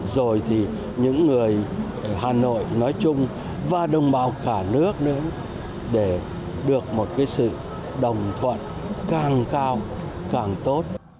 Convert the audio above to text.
rồi thì những người hà nội nói chung và đồng bào cả nước nữa để được một cái sự đồng thuận càng cao càng tốt